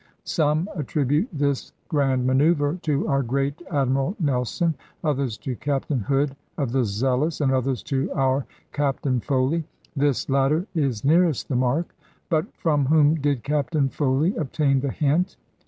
Some attribute this grand manœuvre to our great Admiral Nelson, others to Captain Hood of the Zealous, and others to our Captain Foley. This latter is nearest the mark; but from whom did Captain Foley obtain the hint?